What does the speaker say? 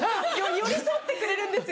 寄り添ってくれるんですよ